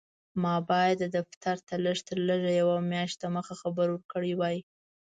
ما باید دفتر ته لږ تر لږه یوه میاشت دمخه خبر ورکړی وای.